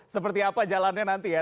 seperti apa jalannya nanti ya